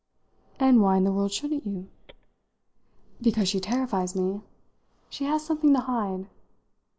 "And why in the world shouldn't you?" "Because she terrifies me. She has something to hide."